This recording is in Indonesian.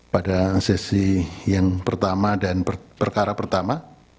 pada sesi yang pertama dan perkara pertama